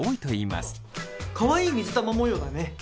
かわいい水玉模様だね。